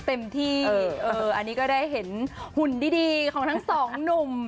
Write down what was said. เต็มที่อันนี้ก็ได้เห็นหุ่นดีของทั้งสองหนุ่ม